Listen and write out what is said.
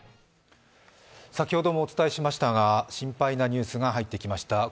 先ほどもお伝えしましたが、心配なニュースが入ってきました。